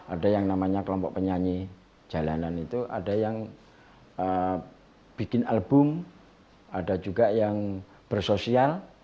ada yang namanya kelompok penyanyi jalanan itu ada yang bikin album ada juga yang bersosial